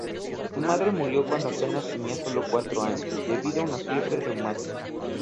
Su madre murió cuando apenas tenía sólo cuatro años, debido a una fiebre reumática.